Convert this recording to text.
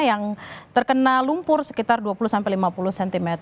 yang terkena lumpur sekitar dua puluh sampai lima puluh cm